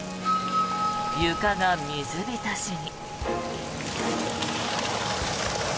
床が水浸しに。